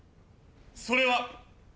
それは。